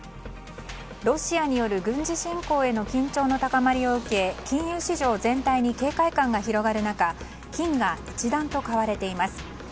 ロシアによる軍事侵攻への緊張の高まりを受け金融市場全体に警戒感が広がる中金が一段と買われています。